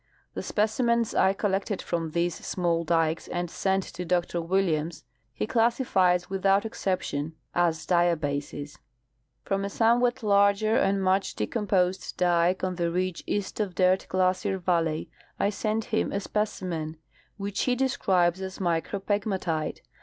The specimens I collected from these small dikes and sent to Dr Williams he classifies without exception as diabases. From a somewhat larger and much decomposed dike on the ridge east of Dirt glacier valley I sent him a specimen which he describes as micropegmatite.